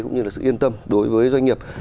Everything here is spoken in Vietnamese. cũng như là sự yên tâm đối với doanh nghiệp